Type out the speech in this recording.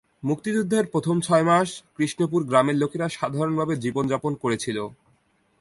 মুক্তিযুদ্ধের প্রথম ছয়মাস, কৃষ্ণপুর গ্রামের লোকেরা সাধারণভাবে জীবনযাপন করেছিল।